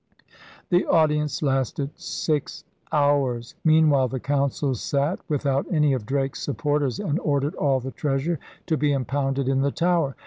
The audience lasted six hours. Meanwhile the Council sat without any of Drake's supporters and ordered all the treasure to be impounded in the Tower.